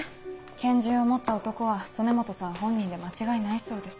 拳銃を持った男は曽根本さん本人で間違いないそうです。